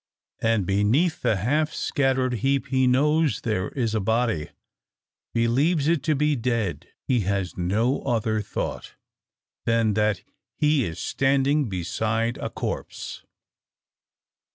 And beneath the half scattered heap he knows there is a body; believes it to be dead. He has no other thought, than that he is standing beside a corpse.